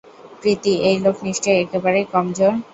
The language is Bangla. প্রীতি, এই লোক নিশ্চয়ই একেবারেই কমজোর।